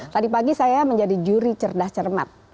tadi pagi saya menjadi juri cerdas cermat